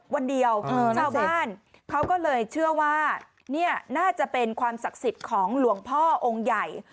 วันเดียวชาวบ้านเขาก็เลยเชื่อว่านี่น่าจะเป็นความศักดิ์สิทธิ์ของหลวงพ่อองค์ใหญ่